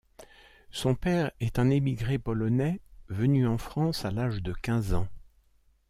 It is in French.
Son père est un émigré polonais venu en France à l'âge de quinze ans.